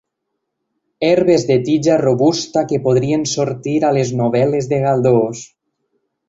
Herbes de tija robusta que podrien sortir a les novel·les de Galdós.